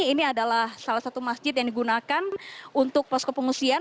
ini adalah salah satu masjid yang digunakan untuk posko pengungsian